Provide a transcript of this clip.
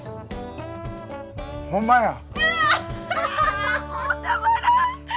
ほんまや！